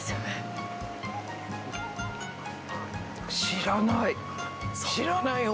知らない。